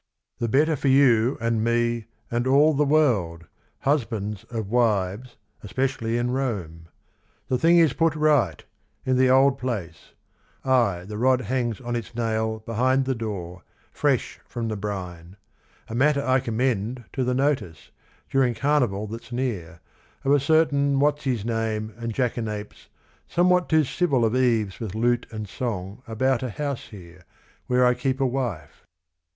"The better for you and me and all the world, — Husbands of wives, especially in Rome. The thing is put right, in the old place, — ay The rod hangs on its nail behind the door, Fresh from the brine : a matter I commend To the notice, during Carnival that 's near, Of a certain what 's his name and jackanapes Somewhat too civil of eves with lute and song About a house here, where I keep a wife.